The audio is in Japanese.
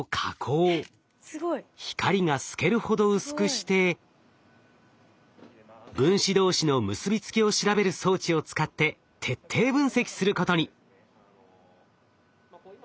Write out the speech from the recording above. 光が透けるほど薄くして分子同士の結び付きを調べる装置を使って徹底分析することに。